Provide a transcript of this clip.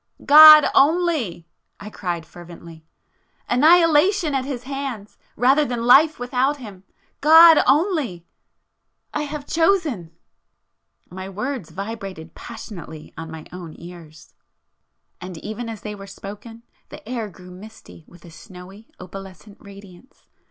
"God only!" I cried fervently—"Annihilation at His hands, rather than life without Him! God only! I have chosen!" My words vibrated passionately on my own ears, ... and ... even as they were spoken, the air grew misty with a snowy opalescent radiance